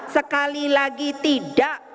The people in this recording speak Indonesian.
sekali lagi tidak